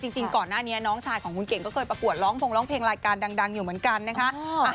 จริงก่อนหน้านี้น้องชายของคุณเก่งก็เคยประกวดร้องพงร้องเพลงรายการดังอยู่เหมือนกันนะคะ